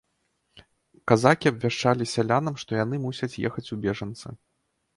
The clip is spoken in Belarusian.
Казакі абвяшчалі сялянам, што яны мусяць ехаць у бежанцы.